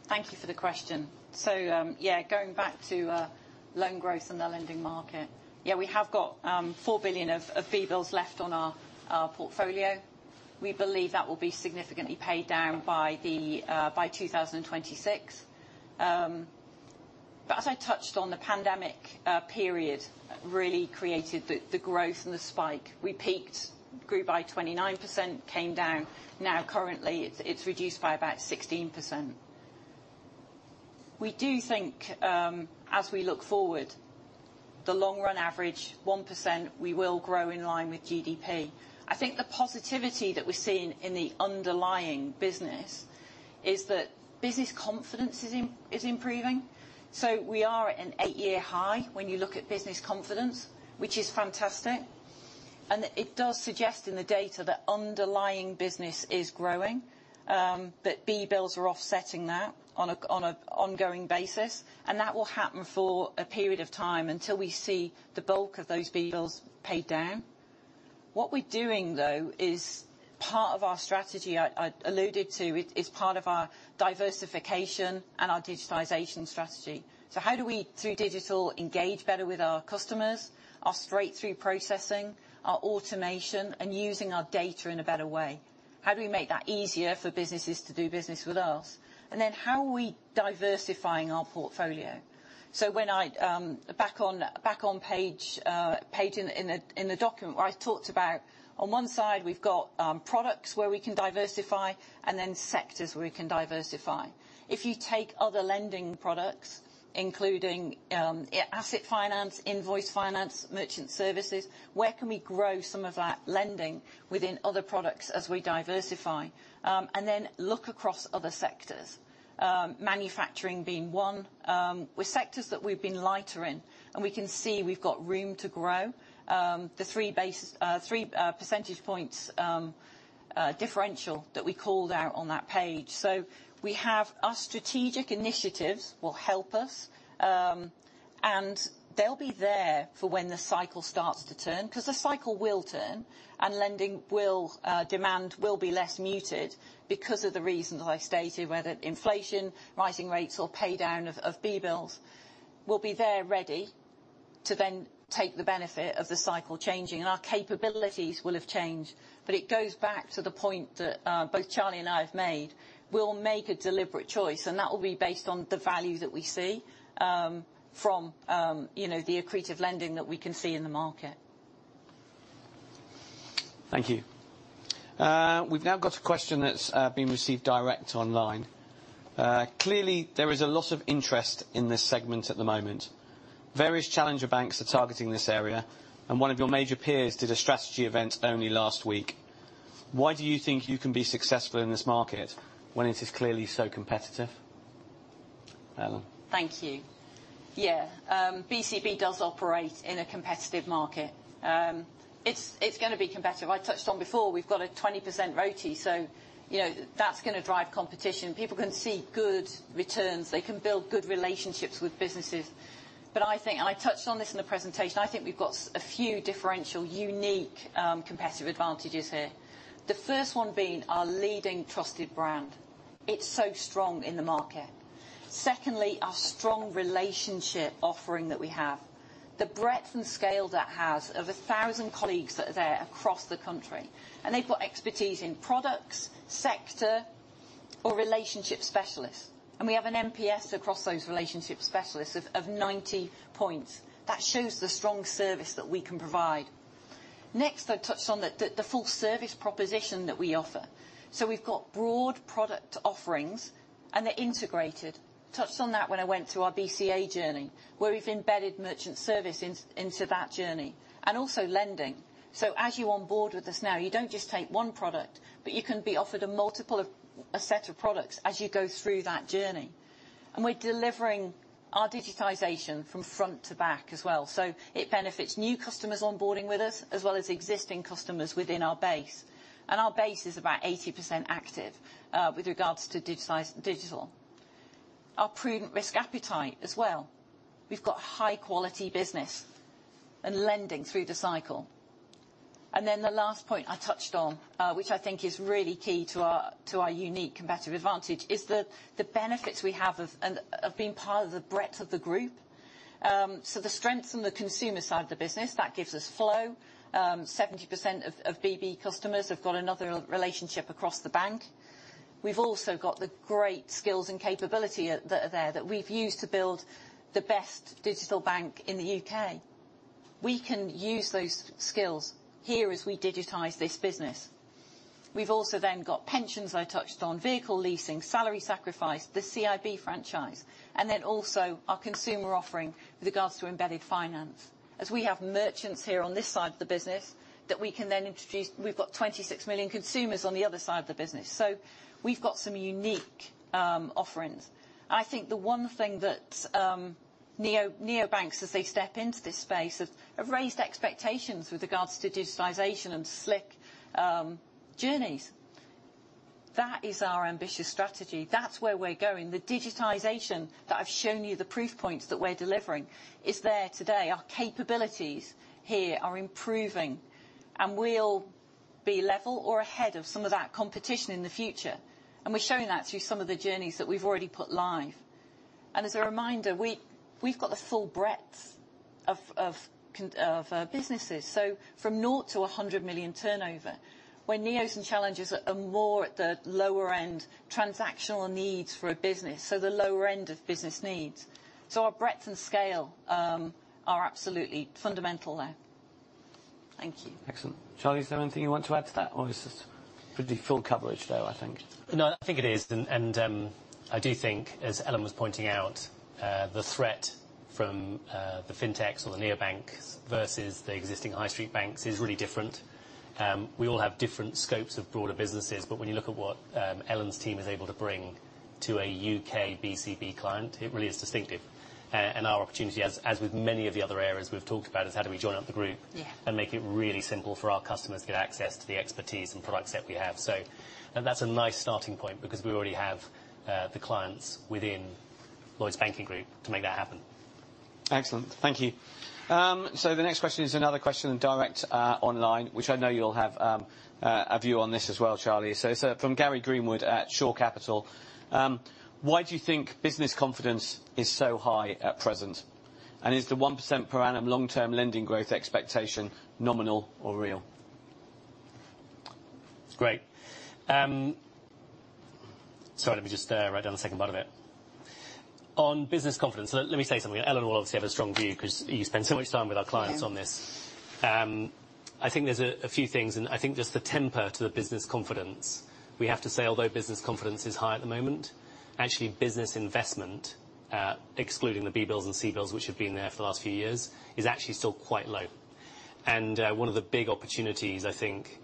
Thank you for the question. So yeah, going back to loan growth and the lending market, yeah, we have got 4 billion of BBLs left on our portfolio. We believe that will be significantly paid down by 2026. But as I touched on, the pandemic period really created the growth and the spike. We peaked, grew by 29%, came down. Now currently, it's reduced by about 16%. We do think, as we look forward, the long-run average, 1%, we will grow in line with GDP. I think the positivity that we're seeing in the underlying business is that business confidence is improving. We are at an eight-year high when you look at business confidence, which is fantastic. It does suggest in the data that underlying business is growing, that BBLs are offsetting that on an ongoing basis. That will happen for a period of time until we see the bulk of those BBLs paid down. What we're doing, though, is part of our strategy I alluded to is part of our diversification and our digitization strategy. How do we, through digital, engage better with our customers, our straight-through processing, our automation, and using our data in a better way? How do we make that easier for businesses to do business with us? Then how are we diversifying our portfolio? Back on page in the document where I talked about, on one side, we've got products where we can diversify and then sectors where we can diversify. If you take other lending products, including asset finance, invoice finance, merchant services, where can we grow some of that lending within other products as we diversify? And then look across other sectors, manufacturing being one, with sectors that we've been lighter in, and we can see we've got room to grow, the three percentage points differential that we called out on that page. So we have our strategic initiatives will help us, and they'll be there for when the cycle starts to turn because the cycle will turn and lending demand will be less muted because of the reasons I stated, whether inflation, rising rates, or pay down of BBLs. We'll be there ready to then take the benefit of the cycle changing, and our capabilities will have changed. But it goes back to the point that both Charlie and I have made. We'll make a deliberate choice, and that will be based on the value that we see from the accretive lending that we can see in the market. Thank you. We've now got a question that's been received direct online. Clearly, there is a lot of interest in this segment at the moment. Various challenger banks are targeting this area, and one of your major peers did a strategy event only last week. Why do you think you can be successful in this market when it is clearly so competitive? Elyn. Thank you. Yeah. BCB does operate in a competitive market. It's going to be competitive. I touched on before, we've got a 20% ROE, so that's going to drive competition. People can see good returns. They can build good relationships with businesses. But I touched on this in the presentation. I think we've got a few differential, unique competitive advantages here. The first one being our leading trusted brand. It's so strong in the market. Secondly, our strong relationship offering that we have, the breadth and scale that has of 1,000 colleagues that are there across the country. And they've got expertise in products, sector, or relationship specialists. And we have an NPS across those relationship specialists of 90 points. That shows the strong service that we can provide. Next, I touched on the full service proposition that we offer. So we've got broad product offerings, and they're integrated. Touched on that when I went through our BCB journey, where we've embedded merchant service into that journey, and also lending. So as you onboard with us now, you don't just take one product, but you can be offered a set of products as you go through that journey. And we're delivering our digitization from front to back as well. So it benefits new customers onboarding with us as well as existing customers within our base. And our base is about 80% active with regards to digital. Our prudent risk appetite as well. We've got high-quality business and lending through the cycle. And then the last point I touched on, which I think is really key to our unique competitive advantage, is the benefits we have of being part of the breadth of the group. So the strengths on the consumer side of the business, that gives us flow. 70% of BB customers have got another relationship across the bank. We've also got the great skills and capability that are there that we've used to build the best digital bank in the U.K. We can use those skills here as we digitize this business. We've also then got pensions, I touched on, vehicle leasing, salary sacrifice, the CIB franchise, and then also our consumer offering with regards to embedded finance. As we have merchants here on this side of the business that we can then introduce, we've got 26 million consumers on the other side of the business. So we've got some unique offerings. I think the one thing that neobanks, as they step into this space, have raised expectations with regards to digitization and slick journeys. That is our ambitious strategy. That's where we're going. The digitization that I've shown you, the proof points that we're delivering, is there today. Our capabilities here are improving, and we'll be level or ahead of some of that competition in the future. And we're showing that through some of the journeys that we've already put live. As a reminder, we've got the full breadth of businesses. So from 0 to 100 million turnover, where needs and challenges are more at the lower end, transactional needs for a business, so the lower end of business needs. So our breadth and scale are absolutely fundamental there. Thank you. Excellent. Charlie, is there anything you want to add to that, or is this pretty full coverage there, I think? No, I think it is. And I do think, as Elyn was pointing out, the threat from the fintechs or the neobanks versus the existing high-street banks is really different. We all have different scopes of broader businesses, but when you look at what Elyn's team is able to bring to a U.K. BCB client, it really is distinctive. Our opportunity, as with many of the other areas we've talked about, is how do we join up the group and make it really simple for our customers to get access to the expertise and products that we have. So that's a nice starting point because we already have the clients within Lloyds Banking Group to make that happen. Excellent. Thank you. So the next question is another question direct online, which I know you'll have a view on this as well, Charlie. So it's from Gary Greenwood at Shore Capital. Why do you think business confidence is so high at present? And is the 1% per annum long-term lending growth expectation nominal or real? Great. Sorry, let me just write down the second part of it. On business confidence, let me say something. Elyn will obviously have a strong view because you spend so much time with our clients on this. I think there's a few things, and I think just the temper to the business confidence, we have to say, although business confidence is high at the moment, actually business investment, excluding the BBLs and CBILS, which have been there for the last few years, is actually still quite low. And one of the big opportunities, I think,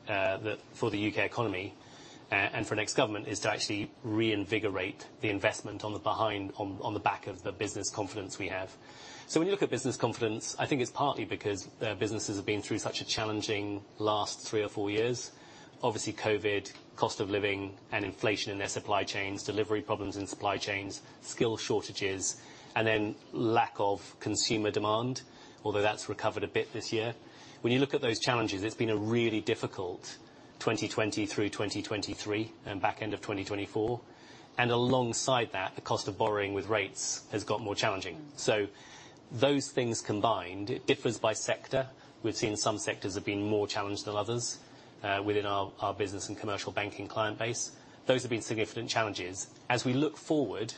for the U.K. economy and for next government is to actually reinvigorate the investment on the back of the business confidence we have. So when you look at business confidence, I think it's partly because businesses have been through such a challenging last three or four years. Obviously, COVID, cost of living, and inflation in their supply chains, delivery problems in supply chains, skill shortages, and then lack of consumer demand, although that's recovered a bit this year. When you look at those challenges, it's been a really difficult 2020 through 2023 and back end of 2024. Alongside that, the cost of borrowing with rates has got more challenging. So those things combined, it differs by sector. We've seen some sectors have been more challenged than others within our Business and Commercial Banking client base. Those have been significant challenges. As we look forward,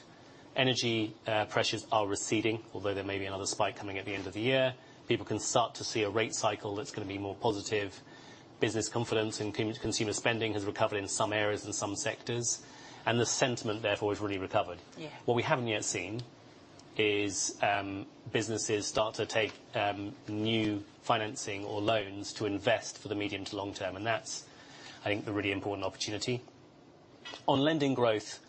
energy pressures are receding, although there may be another spike coming at the end of the year. People can start to see a rate cycle that's going to be more positive. Business confidence and consumer spending has recovered in some areas and some sectors, and the sentiment therefore has really recovered. What we haven't yet seen is businesses start to take new financing or loans to invest for the medium to long term, and that's, I think, the really important opportunity. On lending growth,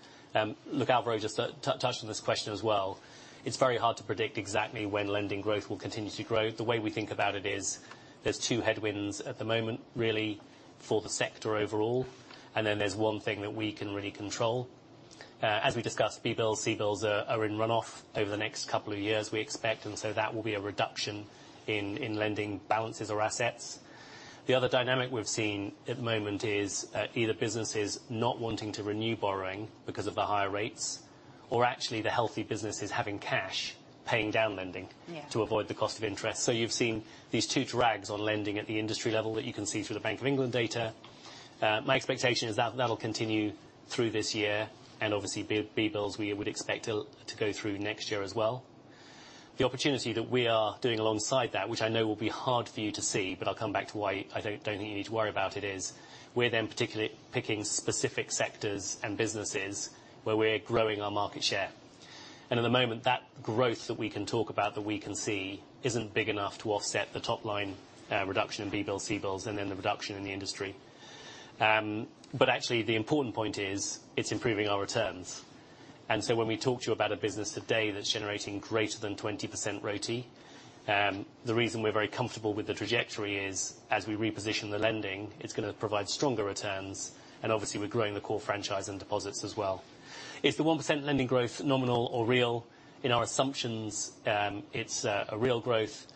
look, Alvaro just touched on this question as well. It's very hard to predict exactly when lending growth will continue to grow. The way we think about it is there's two headwinds at the moment, really, for the sector overall, and then there's one thing that we can really control. As we discussed, BBLs, CBILS are in runoff over the next couple of years, we expect, and so that will be a reduction in lending balances or assets. The other dynamic we've seen at the moment is either businesses not wanting to renew borrowing because of the higher rates, or actually the healthy businesses having cash paying down lending to avoid the cost of interest. So you've seen these two drags on lending at the industry level that you can see through the Bank of England data. My expectation is that that'll continue through this year, and obviously, BBLs we would expect to go through next year as well. The opportunity that we are doing alongside that, which I know will be hard for you to see, but I'll come back to why I don't think you need to worry about it, is we're then particularly picking specific sectors and businesses where we're growing our market share. And at the moment, that growth that we can talk about, that we can see, isn't big enough to offset the top-line reduction in BBLs, CBILS, and then the reduction in the industry. But actually, the important point is it's improving our returns. When we talk to you about a business today that's generating greater than 20% RoTE, the reason we're very comfortable with the trajectory is as we reposition the lending, it's going to provide stronger returns, and obviously, we're growing the core franchise and deposits as well. Is the 1% lending growth nominal or real? In our assumptions, it's a real growth,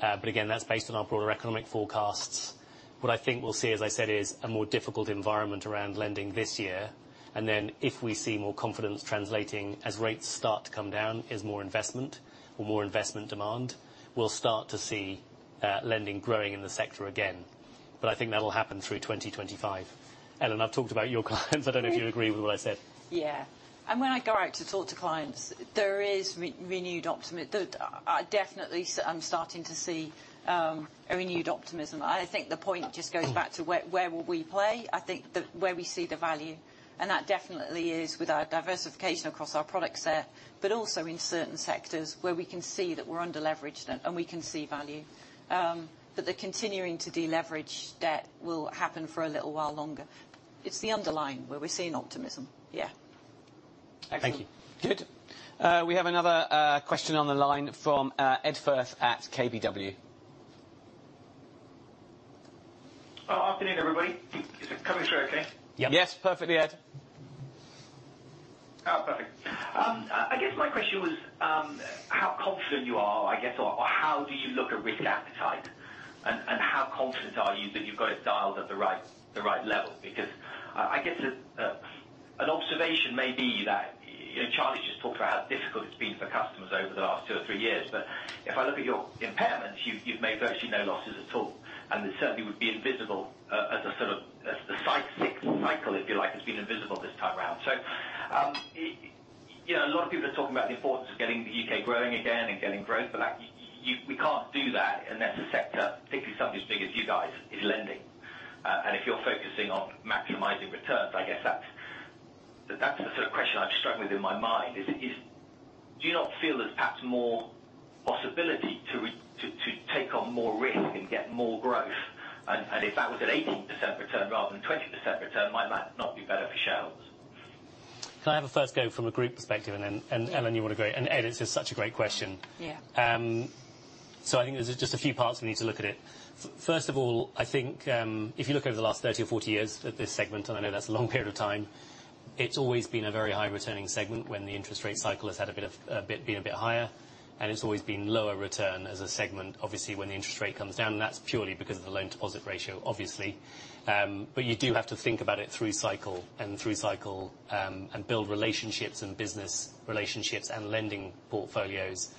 but again, that's based on our broader economic forecasts. What I think we'll see, as I said, is a more difficult environment around lending this year. And then if we see more confidence translating as rates start to come down, is more investment or more investment demand, we'll start to see lending growing in the sector again. But I think that'll happen through 2025. Elyn, I've talked about your clients. I don't know if you agree with what I said. Yeah. When I go out to talk to clients, there is renewed optimism. I definitely am starting to see renewed optimism. I think the point just goes back to where will we play? I think that where we see the value, and that definitely is with our diversification across our product set, but also in certain sectors where we can see that we're under leveraged and we can see value. But the continuing to deleverage debt will happen for a little while longer. It's the underlying where we're seeing optimism. Yeah. Excellent. Thank you. Good. We have another question on the line from Ed Firth at KBW. Afternoon, everybody. Is it coming through okay? Yes. Perfectly heard. Perfect. I guess my question was how confident you are, I guess, or how do you look at risk appetite, and how confident are you that you've got it dialed at the right level? Because I guess an observation may be that Charlie just talked about how difficult it's been for customers over the last two or three years, but if I look at your impairments, you've made virtually no losses at all. And it certainly would be invisible as a sort of the cycle, if you like, has been invisible this time around. So a lot of people are talking about the importance of getting the UK growing again and getting growth, but we can't do that unless a sector, particularly something as big as you guys, is lending. And if you're focusing on maximizing returns, I guess that's the sort of question I've struggled with in my mind. Do you not feel there's perhaps more possibility to take on more risk and get more growth? And if that was an 18% return rather than 20% return, might that not be better for shareholders? Can I have a first go from a group perspective, and then Elyn, you want to go? And Ed, it's just such a great question. So I think there's just a few parts we need to look at it. First of all, I think if you look over the last 30 or 40 years at this segment, and I know that's a long period of time, it's always been a very high-returning segment when the interest rate cycle has been a bit higher, and it's always been lower return as a segment, obviously, when the interest rate comes down. And that's purely because of the loan-to-deposit ratio, obviously. But you do have to think about it through cycle and through cycle and build relationships and business relationships and lending portfolios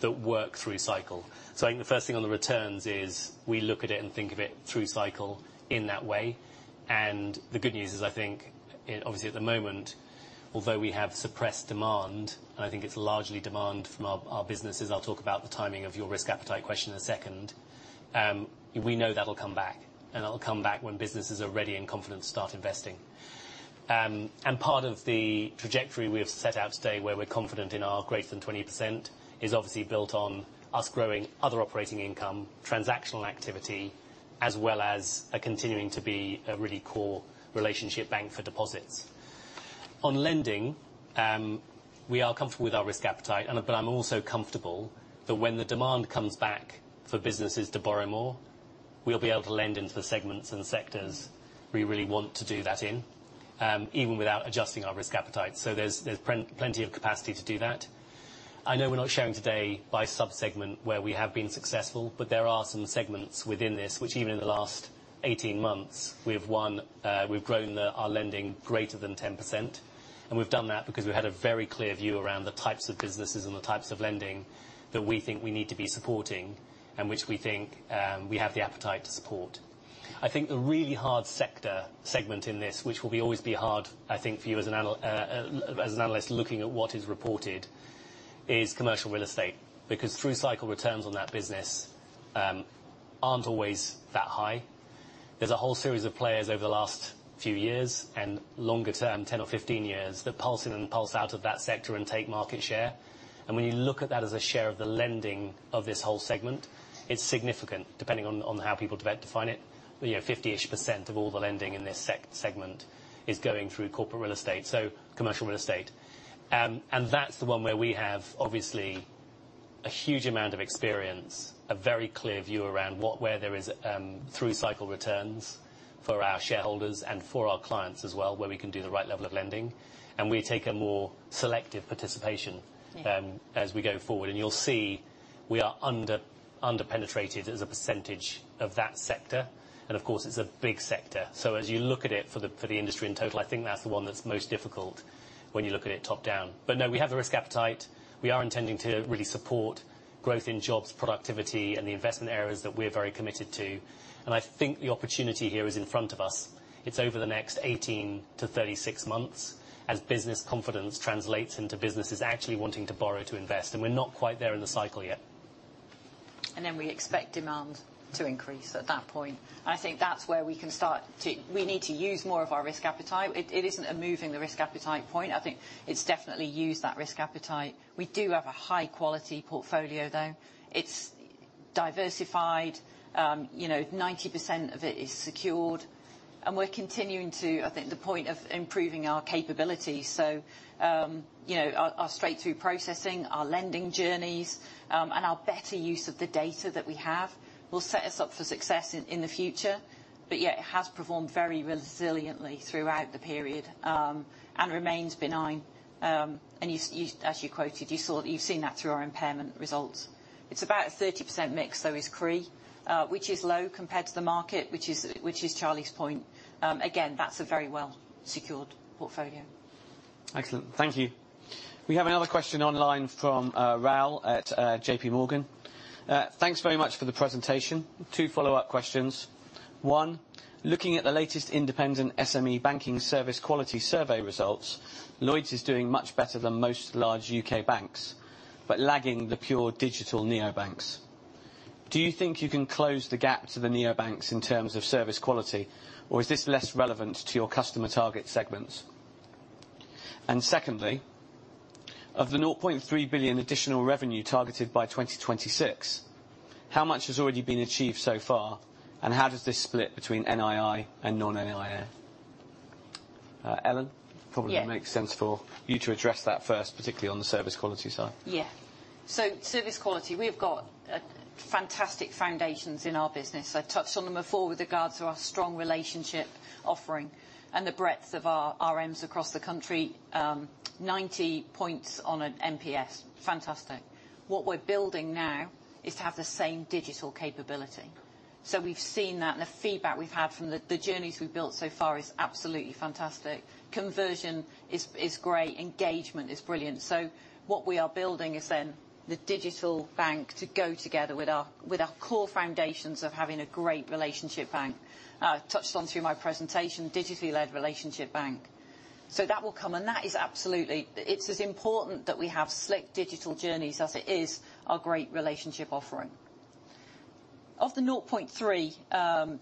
that work through cycle. So I think the first thing on the returns is we look at it and think of it through cycle in that way. And the good news is, I think, obviously, at the moment, although we have suppressed demand, and I think it's largely demand from our businesses, I'll talk about the timing of your risk appetite question in a second. We know that'll come back, and it'll come back when businesses are ready and confident to start investing. And part of the trajectory we have set out today where we're confident in our greater than 20% is obviously built on us growing other operating income, transactional activity, as well as continuing to be a really core relationship bank for deposits. On lending, we are comfortable with our risk appetite, but I'm also comfortable that when the demand comes back for businesses to borrow more, we'll be able to lend into the segments and sectors we really want to do that in, even without adjusting our risk appetite. So there's plenty of capacity to do that. I know we're not showing today by subsegment where we have been successful, but there are some segments within this which, even in the last 18 months, we've grown our lending greater than 10%. And we've done that because we've had a very clear view around the types of businesses and the types of lending that we think we need to be supporting and which we think we have the appetite to support. I think the really hard sector segment in this, which will always be hard, I think, for you as an analyst looking at what is reported, is commercial real estate because through cycle returns on that business aren't always that high. There's a whole series of players over the last few years and longer term, 10 or 15 years, that pulse in and pulse out of that sector and take market share. And when you look at that as a share of the lending of this whole segment, it's significant, depending on how people define it. 50%-ish of all the lending in this segment is going through commercial real estate, so commercial real estate. That's the one where we have, obviously, a huge amount of experience, a very clear view around where there is through cycle returns for our shareholders and for our clients as well, where we can do the right level of lending. We take a more selective participation as we go forward. You'll see we are underpenetrated as a percentage of that sector. Of course, it's a big sector. So as you look at it for the industry in total, I think that's the one that's most difficult when you look at it top down. No, we have the risk appetite. We are intending to really support growth in jobs, productivity, and the investment areas that we're very committed to. I think the opportunity here is in front of us. It's over the next 18-36 months as business confidence translates into businesses actually wanting to borrow to invest. We're not quite there in the cycle yet. Then we expect demand to increase at that point. I think that's where we can start to—we need to use more of our risk appetite. It isn't a moving the risk appetite point. I think it's definitely used that risk appetite. We do have a high-quality portfolio, though. It's diversified. 90% of it is secured. We're continuing to, I think, the point of improving our capabilities. So our straight-through processing, our lending journeys, and our better use of the data that we have will set us up for success in the future. But yeah, it has performed very resiliently throughout the period and remains benign. As you quoted, you've seen that through our impairment results. It's about a 30% mix, though, is CRE, which is low compared to the market, which is Charlie's point. Again, that's a very well-secured portfolio. Excellent. Thank you. We have another question online from Raul at JPMorgan. Thanks very much for the presentation. Two follow-up questions. One, looking at the latest independent SME banking service quality survey results, Lloyds is doing much better than most large U.K. banks, but lagging the pure digital neobanks. Do you think you can close the gap to the neobanks in terms of service quality, or is this less relevant to your customer target segments? And secondly, of the 0.3 billion additional revenue targeted by 2026, how much has already been achieved so far, and how does this split between NII and non-NII? Elyn, probably makes sense for you to address that first, particularly on the service quality side. Yeah, so service quality, we've got fantastic foundations in our business. I touched on them before with regards to our strong relationship offering and the breadth of our RMs across the country, 90 points on an NPS. Fantastic. What we're building now is to have the same digital capability. So we've seen that, and the feedback we've had from the journeys we've built so far is absolutely fantastic. Conversion is great. Engagement is brilliant. So what we are building is then the digital bank to go together with our core foundations of having a great relationship bank. I touched on through my presentation, digitally-led relationship bank. So that will come, and that is absolutely it's as important that we have slick digital journeys as it is our great relationship offering. Of the 0.3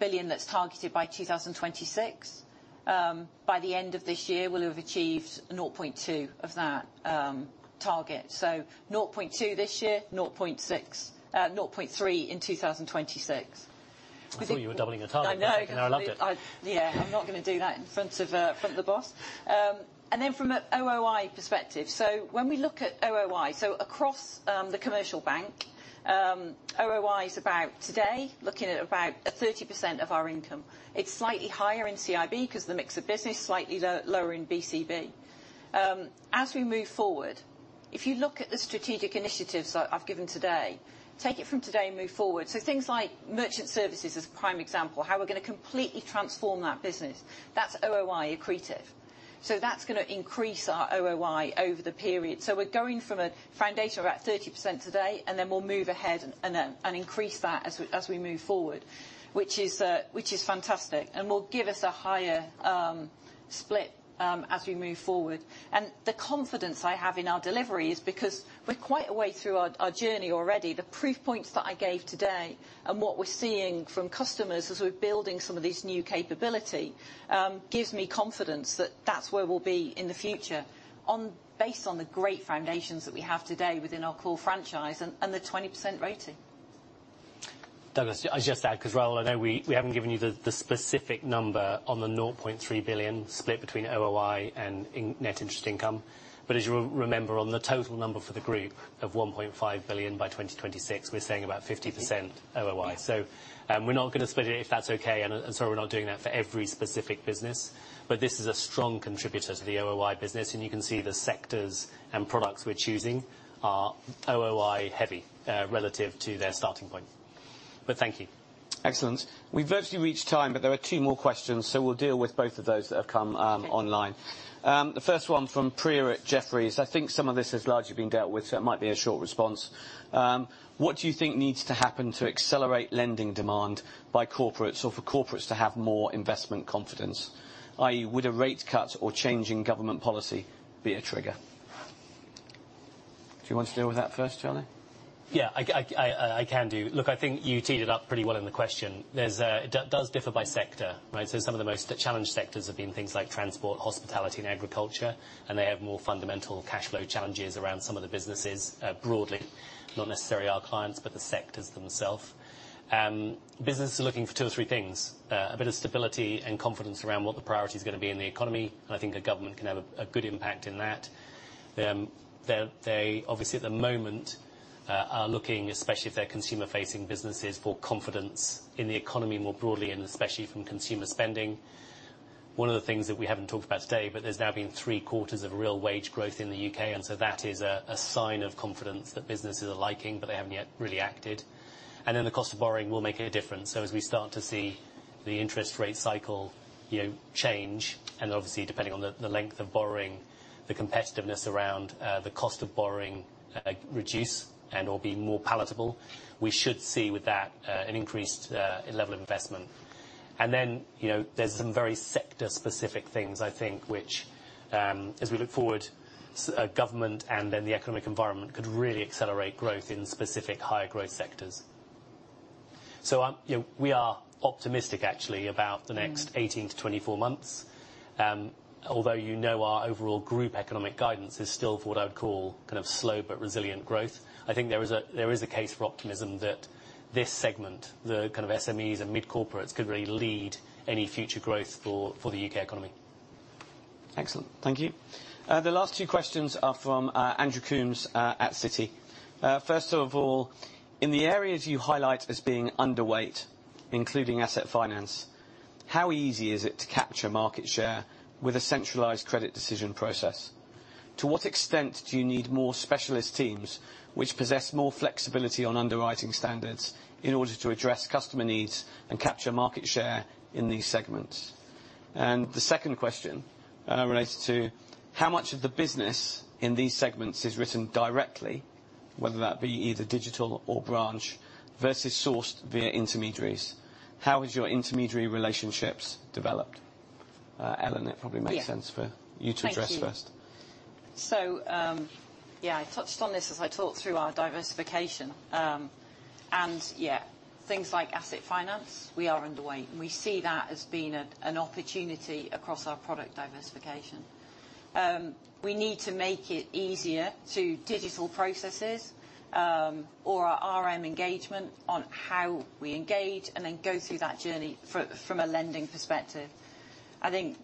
billion that's targeted by 2026, by the end of this year, we'll have achieved 0.2 of that target. So 0.2 this year, 0.3 in 2026. I thought you were doubling your time. I know. And I loved it. Yeah. I'm not going to do that in front of the boss. And then from an OOI perspective, so when we look at OOI, so across the commercial bank, OOI is about today, looking at about 30% of our income. It's slightly higher in CIB because of the mix of business, slightly lower in BCB. As we move forward, if you look at the strategic initiatives I've given today, take it from today and move forward. So things like merchant services as a prime example, how we're going to completely transform that business. That's OOI accretive. So that's going to increase our OOI over the period. So we're going from a foundation of about 30% today, and then we'll move ahead and increase that as we move forward, which is fantastic. And we'll give us a higher split as we move forward. And the confidence I have in our delivery is because we're quite a way through our journey already. The proof points that I gave today and what we're seeing from customers as we're building some of this new capability gives me confidence that that's where we'll be in the future based on the great foundations that we have today within our core franchise and the 20% RoTE. Douglas, I just add because, Raul, I know we haven't given you the specific number on the 0.3 billion split between OOI and net interest income. But as you remember, on the total number for the group of 1.5 billion by 2026, we're saying about 50% OOI. So we're not going to split it if that's okay. And sorry, we're not doing that for every specific business, but this is a strong contributor to the OOI business. And you can see the sectors and products we're choosing are OOI-heavy relative to their starting point. But thank you. Excellent. We've virtually reached time, but there are two more questions, so we'll deal with both of those that have come online. The first one from Priya at Jefferies. I think some of this has largely been dealt with, so it might be a short response. What do you think needs to happen to accelerate lending demand by corporates or for corporates to have more investment confidence? I.e., would a rate cut or change in government policy be a trigger? Do you want to deal with that first, Charlie? Yeah, I can do. Look, I think you teed it up pretty well in the question. It does differ by sector, right? So some of the most challenged sectors have been things like transport, hospitality, and agriculture, and they have more fundamental cash flow challenges around some of the businesses broadly, not necessarily our clients, but the sectors themselves. Businesses are looking for two or three things: a bit of stability and confidence around what the priority is going to be in the economy. I think the government can have a good impact in that. They, obviously, at the moment are looking, especially if they're Consumer-facing businesses, for confidence in the economy more broadly and especially from Consumer spending. One of the things that we haven't talked about today, but there's now been three quarters of real wage growth in the U.K., and so that is a sign of confidence that businesses are liking, but they haven't yet really acted. And then the cost of borrowing will make a difference. So as we start to see the interest rate cycle change, and obviously, depending on the length of borrowing, the competitiveness around the cost of borrowing reduce and/or be more palatable, we should see with that an increased level of investment. And then there's some very sector-specific things, I think, which, as we look forward, government and then the economic environment could really accelerate growth in specific higher-growth sectors. So we are optimistic, actually, about the next 18-24 months. Although our overall group economic guidance is still for what I would call kind of slow but resilient growth, I think there is a case for optimism that this segment, the kind of SMEs and Mid-Corporates, could really lead any future growth for the UK economy. Excellent. Thank you. The last two questions are from Andrew Coombs at Citi. First of all, in the areas you highlight as being underweight, including asset finance, how easy is it to capture market share with a centralized credit decision process? To what extent do you need more specialist teams which possess more flexibility on underwriting standards in order to address customer needs and capture market share in these segments? And the second question relates to how much of the business in these segments is written directly, whether that be either digital or branch versus sourced via intermediaries? How has your intermediary relationships developed? Elyn, it probably makes sense for you to address first. So yeah, I touched on this as I talked through our diversification. And yeah, things like asset finance, we are underweight. We see that as being an opportunity across our product diversification. We need to make it easier to digital processes or our RM engagement on how we engage and then go through that journey from a lending perspective. I think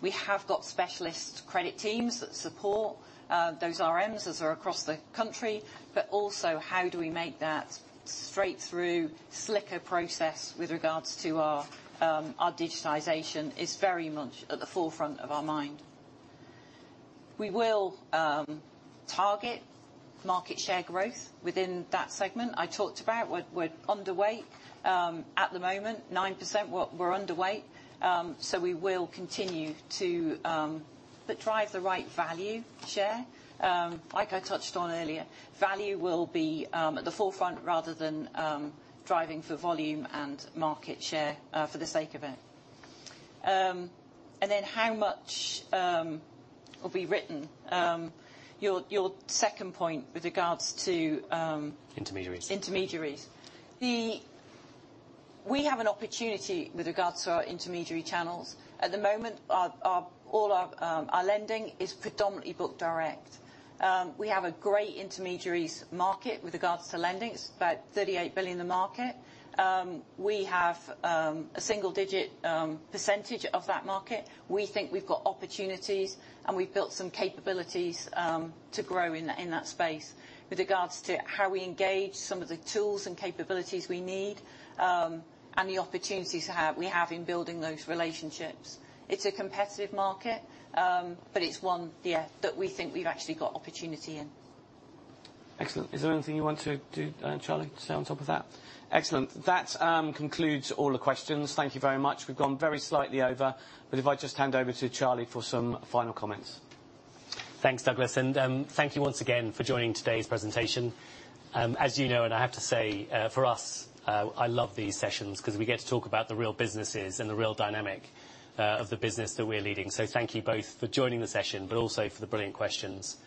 we have got specialist credit teams that support those RMs as they're across the country, but also how do we make that straight-through slicker process with regards to our digitization is very much at the forefront of our mind. We will target market share growth within that segment. I talked about we're underweight. At the moment, 9%, we're underweight. So we will continue to drive the right value share. Like I touched on earlier, value will be at the forefront rather than driving for volume and market share for the sake of it. And then how much will be written? Your second point with regards to intermediaries. Intermediaries. We have an opportunity with regards to our intermediary channels. At the moment, all our lending is predominantly book direct. We have a great intermediaries market with regards to lending. It's about 38 billion GBP in the market. We have a single-digit percentage of that market. We think we've got opportunities, and we've built some capabilities to grow in that space with regards to how we engage some of the tools and capabilities we need and the opportunities we have in building those relationships. It's a competitive market, but it's one that we think we've actually got opportunity in. Excellent. Is there anything you want to do, Charlie, to say on top of that? Excellent. That concludes all the questions. Thank you very much. We've gone very slightly over, but if I just hand over to Charlie for some final comments. Thanks, Douglas. And thank you once again for joining today's presentation. As you know, and I have to say, for us, I love these sessions because we get to talk about the real businesses and the real dynamic of the business that we're leading. So thank you both for joining the session, but also for the brilliant questions.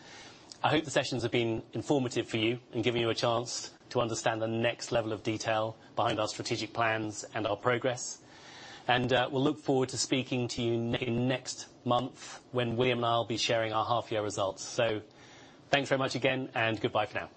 I hope the sessions have been informative for you and given you a chance to understand the next level of detail behind our strategic plans and our progress. And we'll look forward to speaking to you next month when William and I will be sharing our half-year results. Thanks very much again, and goodbye for now.